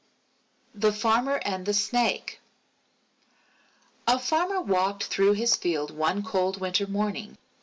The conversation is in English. _ THE FARMER AND THE SNAKE A Farmer walked through his field one cold winter morning.